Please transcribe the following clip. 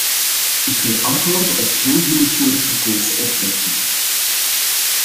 Ik wil antwoorden op twee willekeurig gekozen opmerkingen.